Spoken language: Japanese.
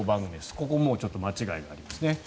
ここ、もう間違いがありますね。